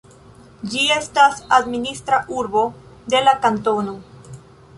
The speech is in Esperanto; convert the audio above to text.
Ĝi estas administra urbo de la kantono.